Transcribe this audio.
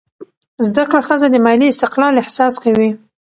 زده کړه ښځه د مالي استقلال احساس کوي.